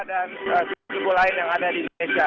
dan juga beragam budaya lain yang ada di keduka